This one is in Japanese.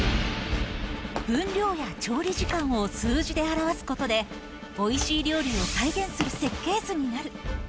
分量や調理時間を数字で表すことで、おいしい料理を再現する設計図になる。